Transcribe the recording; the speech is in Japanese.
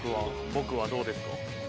僕はどうですか？